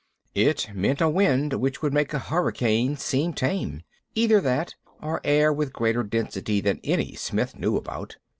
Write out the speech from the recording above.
It meant a wind which would make a hurricane seem tame. Either that, or air with greater density than any Smith knew about.